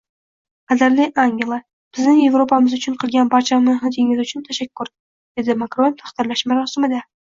Qadrli Angela, bizning Yevropamiz uchun qilgan barcha mehnatingiz uchun tashakkur, — degan Makron taqdirlash marosimida